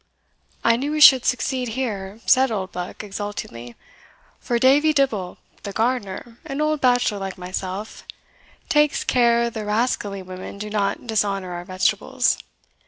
"I knew we should succeed here," said Oldbuck exultingly, "for Davie Dibble, the gardener (an old bachelor like myself), takes care the rascally women do not dishonour our vegetables.